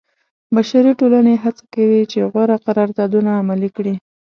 بشري ټولنې هڅه کوي چې غوره قراردادونه عملي کړي.